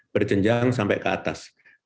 berjenjang sampai ke atas